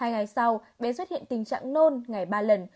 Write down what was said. hai ngày sau bé xuất hiện tình trạng nôn ngày ba lần